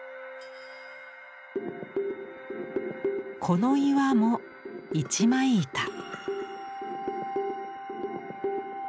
この岩も一枚板。